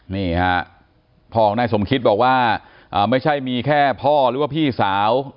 นี่ฮะพ่อของนายสมคิตบอกว่าไม่ใช่มีแค่พ่อหรือว่าพี่สาว